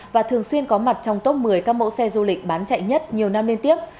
và thường xuyên có mặt trong top một mươi các mẫu xe du lịch bán chạy nhất nhiều năm liên tiếp